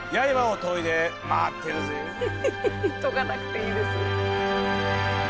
研がなくていいです。